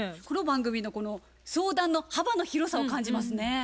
この番組のこの相談の幅の広さを感じますね。